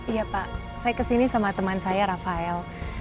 iya pak saya ke sini sama teman saya rafael